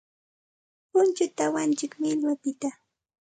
Punchuta awantsik millwapiqta.